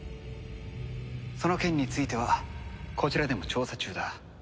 その件についてはこちらでも調査中だ。